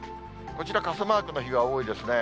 こちら傘マークの日が多いですね。